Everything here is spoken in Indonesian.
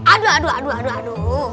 aduh aduh aduh aduh